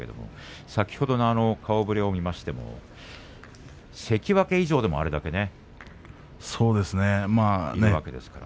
先ほどの顔ぶれを見ましても関脇以上でもあれだけねいるわけですから。